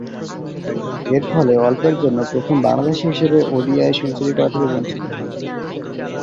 এরফলে অল্পের জন্য প্রথম বাংলাদেশী হিসেবে ওডিআইয়ে সেঞ্চুরি করা থেকে বঞ্চিত হন।